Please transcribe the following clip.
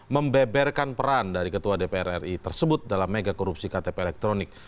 membeberkan peran dari ketua dpr ri tersebut dalam mega korupsi ktp elektronik